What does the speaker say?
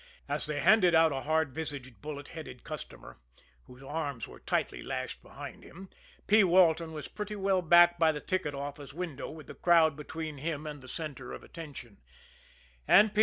As they handed out a hard visaged, bullet headed customer, whose arms were tightly lashed behind him, P. Walton was pretty well back by the ticket office window with the crowd between him and the center of attraction and P.